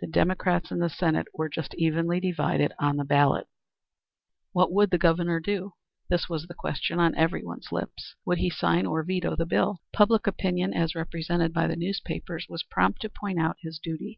The Democrats in the Senate were just evenly divided on the ballot. What would the Governor do? This was the question on everyone's lips. Would he sign or veto the bill? Public opinion as represented by the newspapers was prompt to point out his duty.